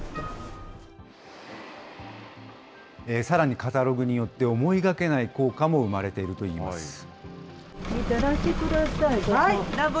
さらにカタログによって、思いがけない効果も生まれているといいます。